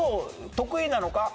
得意なのか？